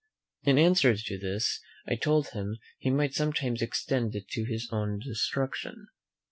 In answer to this I told him he might sometimes extend it to his own destruction.